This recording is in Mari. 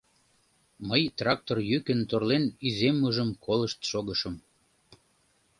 Мый трактор йӱкын торлен иземмыжым колышт шогышым.